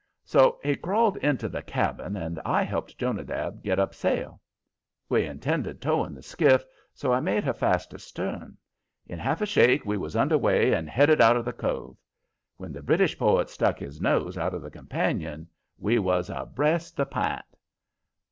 So he crawled into the cabin, and I helped Jonadab get up sail. We intended towing the skiff, so I made her fast astern. In half a shake we was under way and headed out of the cove. When that British poet stuck his nose out of the companion we was abreast the p'int.